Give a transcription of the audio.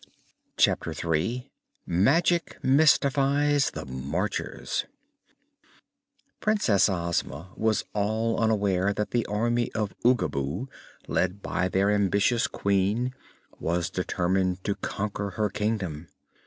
Chapter Three Magic Mystifies the Marchers Princess Ozma was all unaware that the Army of Oogaboo, led by their ambitious Queen, was determined to conquer her Kingdom.